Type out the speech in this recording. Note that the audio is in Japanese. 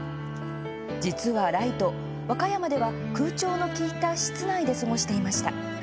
実はライト和歌山では空調の効いた室内で過ごしていました。